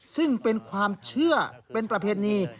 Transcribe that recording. ซึ่งเป็นความเชื่อเป็นประเพณี